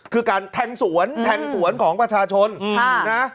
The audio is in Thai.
คือการแทงสวนของประชาชนนะ